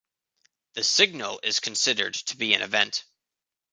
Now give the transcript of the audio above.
The signal is considered to be an event.